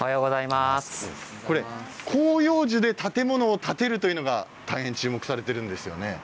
広葉樹で建物を建てるというのが大変注目されているんですよね。